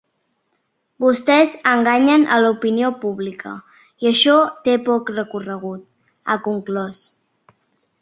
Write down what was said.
Vostès enganyen a l’opinió pública i això té poc recorregut, ha conclòs.